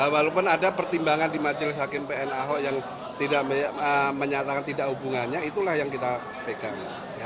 walaupun ada pertimbangan di majelis hakim pn ahok yang tidak menyatakan tidak hubungannya itulah yang kita pegang